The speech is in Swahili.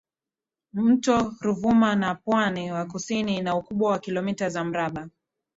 mto Ruvuma na pwani ya kusini ina ukubwa wa kilomita za mraba